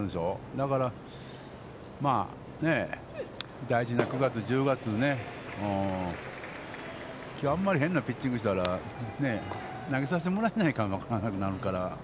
だから、大事な９月、１０月ね、きょうあんまり変なピッチングしたらね、投げさせてもらえないかも分からないからね。